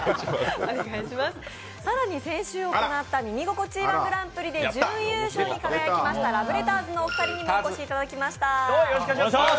更に先週行った「耳心地いい−１グランプリ」で準優勝に輝きましたラブレターズのお二人にもお越しいただきました。